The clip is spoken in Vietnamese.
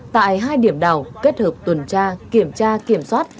tại hai điểm đảo kết hợp tuần tra kiểm tra kiểm soát